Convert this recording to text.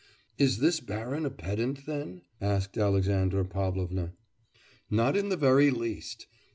'Is this baron a pedant then?' asked Alexandra Pavlovna. 'Not in the very least.